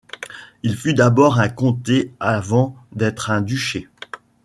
Il fut d'abord un comté avant d'être un duché.